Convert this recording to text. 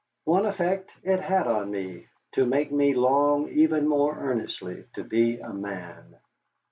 One effect it had on me to make me long even more earnestly to be a man.